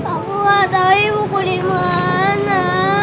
aku gak tau ibu kok dimana